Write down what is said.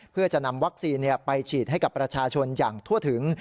เพื่อจะนำวัคซีนไปฉีดให้กับประชาชนอย่างทั่วถึง